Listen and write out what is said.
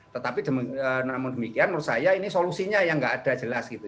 tetapi namun demikian menurut saya ini solusinya yang nggak ada jelas gitu